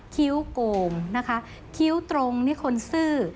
คิ้วกงเคี้ยตรงคนนี้คนซื่อ